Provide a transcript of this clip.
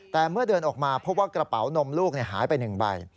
แต่เมื่อเดินออกมาพบว่ากระเป๋านมลูกหายไป๑ใบ